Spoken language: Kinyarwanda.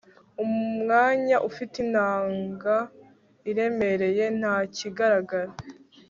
Umwanya ufite inanga iremereye ntakigaragara